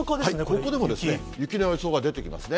ここでも雪の予想が出てきますね。